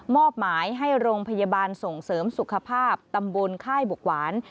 อบหมายให้โรงพยาบาลส่งเสริมสุขภาพตำบลค่ายบกหวาน